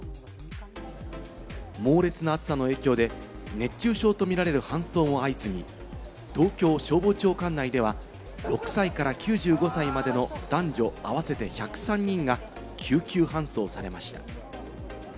猛烈な暑さの影響で熱中症とみられる搬送も相次ぎ、東京消防庁管内では６歳から９５歳までの男女あわせて１０３人が救急搬送されました。